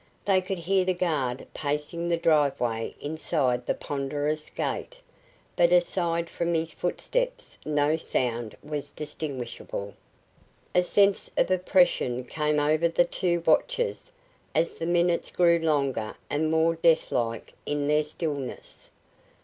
They could hear the guard pacing the driveway inside the ponderous gate, but aside from his footsteps no sound was distinguishable. A sense of oppression came over the two watchers as the minutes grew longer and more deathlike in their stillness.